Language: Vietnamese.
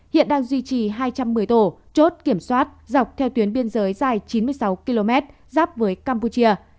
hiện đang duy trì hai trăm một mươi tổ chốt kiểm soát dọc theo tuyến biên giới dài chín mươi sáu km giáp với campuchia